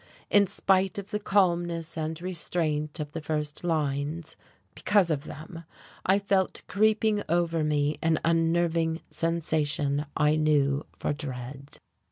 In spite of the calmness and restraint of the first lines, because of them, I felt creeping over me an unnerving sensation I knew for dread....